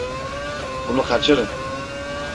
Bunu kaçırın…